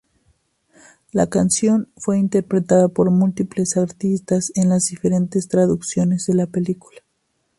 La canción fue interpretada por múltiples artistas en las diferentes traducciones de la película.